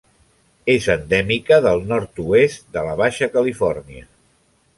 És endèmica del nord-oest de la Baixa Califòrnia.